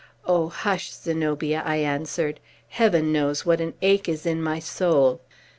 "Oh, hush, Zenobia!" I answered. "Heaven knows what an ache is in my soul!"